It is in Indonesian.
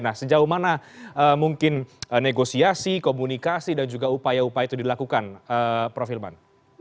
nah sejauh mana mungkin negosiasi komunikasi dan juga upaya upaya itu dilakukan prof hilman